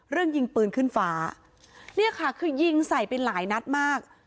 ยิงปืนขึ้นฟ้าเนี่ยค่ะคือยิงใส่ไปหลายนัดมาก